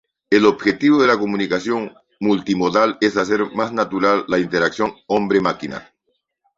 El objetivo de la comunicación multimodal es hacer más natural la interacción hombre máquina.